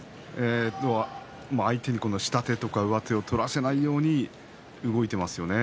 相手に下手とか上手を取らせないように動いていますね。